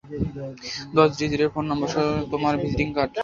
দশ ডিজিটের phone number সহ তোমার ভিজিটিং কার্ড।